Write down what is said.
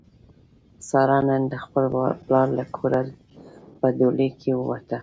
ساره نن د خپل پلار له کوره په ډولۍ کې ووته.